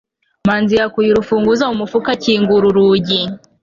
manzi yakuye urufunguzo mu mufuka akingura urugi